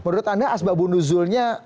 menurut anda asbab unduzulnya